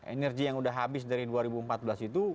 energi yang sudah habis dari dua ribu empat belas itu